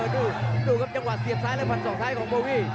ดูครับจังหวะเสียบซ้ายและฟันศอกซ้ายของโบวี่